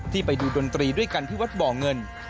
ไปดูดนตรีด้วยกันที่วัดบ่อเงิน